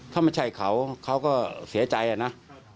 ถ้าไม่ใช่เขาเขาก็เสียใจอะนะ